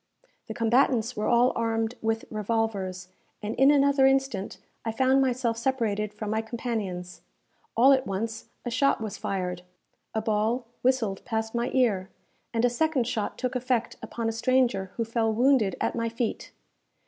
The combatants were all armed with revolvers, and in another instant I found myself separated from my companions. All at once a shot was fired, a ball whistled past my ear, and a second shot took effect upon a stranger who fell wounded at my feet.